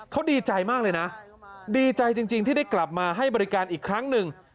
เขาดีใจมากเลยนะดีใจจริงที่ได้กลับมาให้บริการอีกครั้งหนึ่ง